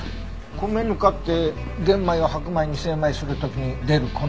米ぬかって玄米を白米に精米する時に出る粉。